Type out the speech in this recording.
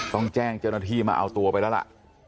ต้องแจ้งเจ้าหน้าที่มาเอาตัวไปแล้วล่ะ